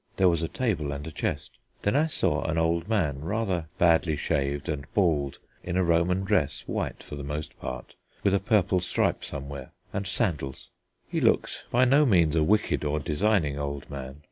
There was a table and a chest. Then I saw an old man, rather badly shaved and bald, in a Roman dress, white for the most part, with a purple stripe somewhere, and sandals. He looked by no means a wicked or designing old man.